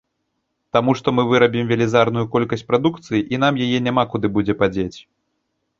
Таму што мы вырабім велізарную колькасць прадукцыі і нам яе няма куды будзе падзець.